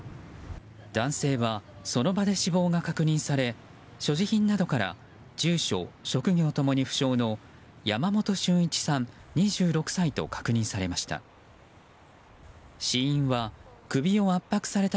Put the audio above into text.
男性はその場で死亡が確認され所持品などから住所・職業ともに不詳の山本駿一さん、２６歳と確認されました。